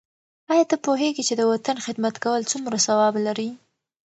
آیا ته پوهېږې چې د وطن خدمت کول څومره ثواب لري؟